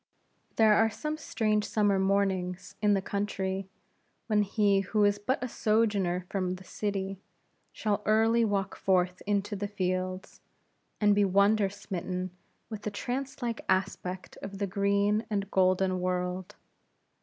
There are some strange summer mornings in the country, when he who is but a sojourner from the city shall early walk forth into the fields, and be wonder smitten with the trance like aspect of the green and golden world.